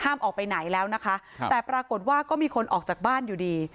ออกไปไหนแล้วนะคะแต่ปรากฏว่าก็มีคนออกจากบ้านอยู่ดี